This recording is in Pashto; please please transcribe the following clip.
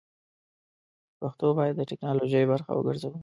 پښتو بايد د ټيکنالوژۍ برخه وګرځوو!